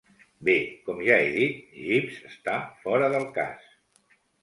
Bé, com ja he dit, Jeeves està fora del cas.